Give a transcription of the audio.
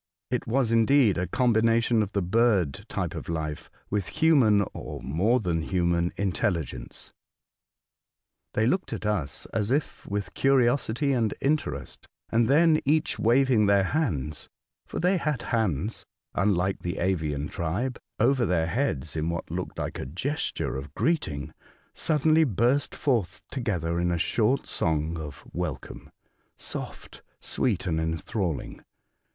It was indeed a combination of the bird type of life with human, or more than human, intelligence. They looked at us as if with curiosity and interest, and then each waving their hands (for they had hands, unlike the avine tribe) over their heads in what looked like a gesture of greeting, suddenly burst forth together in a short song of welcome, soft, sweet, and en thralling.